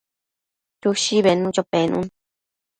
Chushi bednucho penun